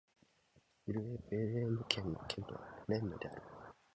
イル＝エ＝ヴィレーヌ県の県都はレンヌである